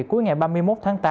cuối ngày ba mươi một tháng tám